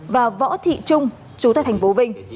và võ thị trung chú tại thành phố vinh